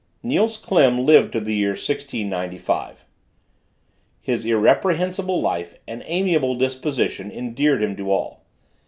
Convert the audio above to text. Niels Klim lived to the year 1695. His irreprehensible life and amiable disposition endeared him to all.